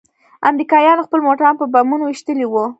امريکايانو خپل موټران په بمونو ويشتلي وو.